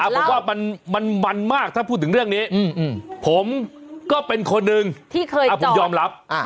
ผมว่ามันมากถ้าพูดถึงเรื่องนี้ผมก็เป็นคนหนึ่งที่เคยผมยอมรับ